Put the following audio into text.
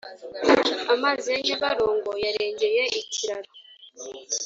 Amazi yanyabarongo yarengeye ikiraro